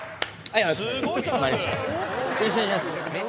よろしくお願いします。